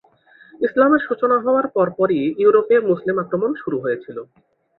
ইসলামের সূচনা হওয়ার পরপরই ইউরোপে মুসলিম আক্রমণ শুরু হয়েছিল।